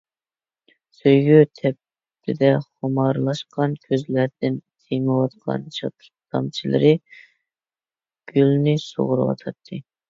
سۆيگۈ تەپتىدە خۇمارلاشقان كۆزلەردىن تېمىۋاتقان شادلىق تامچىلىرى گۈلنى سۇغىرىۋاتاتتى.